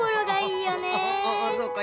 ああそうか。